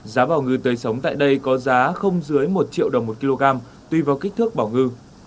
giá bảo ngư tưới sống tại đây có giá không dưới một triệu đồng một kg tùy vào kích thước bảo ngư